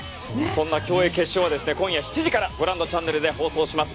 そんな競泳決勝は今夜７時からご覧のチャンネルで放送します。